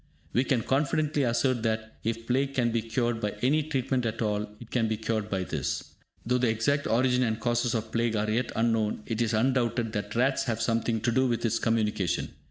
We can confidently assert that, if plague can be cured by any treatment at all, it can be cured by this. Though the exact origin and causes of plague are yet unknown, it is undoubted that rats have something to do with its communication.